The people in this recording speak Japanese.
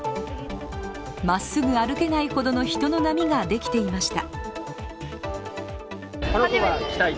まっすぐ歩けないほどの人の波ができていました。